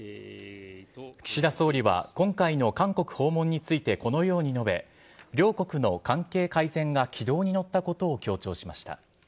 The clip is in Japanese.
岸田総理は今回の韓国訪問についてこのように述べ、両国の関係改善が軌道に乗ったことを強調しました。